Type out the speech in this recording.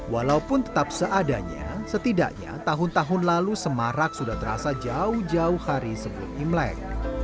walaupun tetap seadanya setidaknya tahun tahun lalu semarak sudah terasa jauh jauh hari sebelum imlek